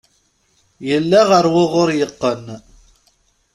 Yella ɣer wuɣur yeqqen.